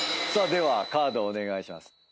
ではカードお願いします。